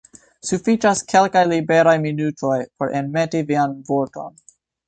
Sufiĉas kelkaj liberaj minutoj por enmeti vian vorton.